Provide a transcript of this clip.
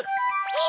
え？